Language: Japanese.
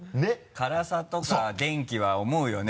辛さとか電気は思うよね。